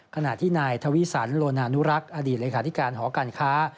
ขณะที่นายทวิสันโลนานุรักษ์อดีตเลขาธิการหอการค้า